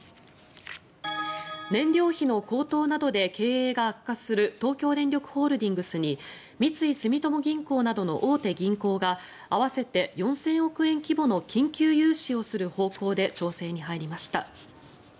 燃料費などの高騰で経営が悪化する東京電力ホールディングスに三井住友銀行などの大手銀行が合わせて４０００億円規模の緊急融資をする方向で調整に入りました。